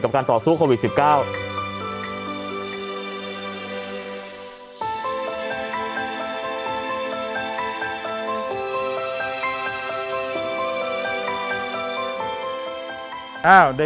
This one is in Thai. การต่อสู้โควิด๑๙